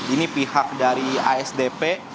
ini pihak dari asdp